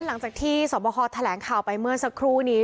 หลังจากที่สวบคอแถลงข่าวไปเมื่อสักครู่นี้